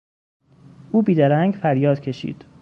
او بیدرنگ فریاد کشید.